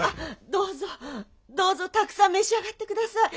どうぞどうぞたくさん召し上がって下さい。